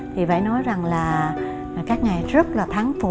thì phải nói rằng là các ngài rất là tháng phục